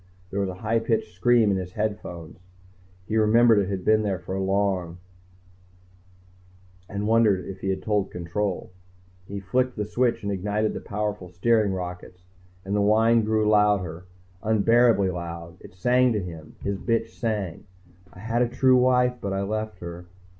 _ There was a high pitched scream in his earphones. He remembered it had been there for long, and wondered if he had told Control. He flicked the switch that ignited the powerful steering rockets, and the whine grew louder, unbearably loud. It sang to him, his bitch sang, _I had a true wife, but I left her